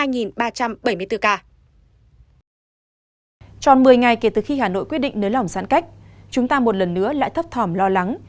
trò một mươi ngày kể từ khi hà nội quyết định nới lỏng giãn cách chúng ta một lần nữa lại thấp thỏm lo lắng